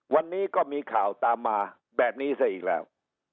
วันนี้ก็มีข่าวตามมาแบบนี้ซะอีกแล้ว